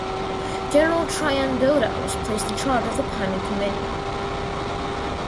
General Traian Doda was placed in charge of the planning committee.